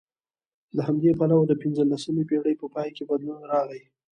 له همدې پلوه د پنځلسمې پېړۍ په پای کې بدلون راغی